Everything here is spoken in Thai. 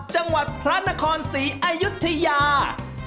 จังหวัดพระนครศรีอายุทยา